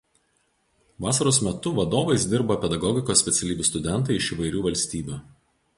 Vasaros metu vadovais dirba pedagogikos specialybių studentai iš įvairių valstybių.